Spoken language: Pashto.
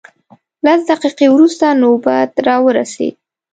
لس دقیقې وروسته نوبت راورسېد.